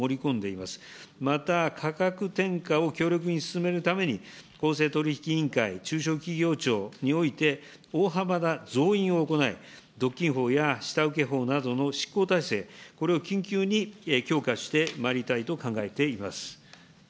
また、価格転嫁を強力に進めるために、公正取引委員会、中小企業庁において大幅な増員を行い、独禁法や下請法などの執行体制、これを緊急に強化してまいりたいと考えています。